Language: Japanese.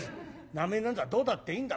「名前なんざどうだっていいんだ。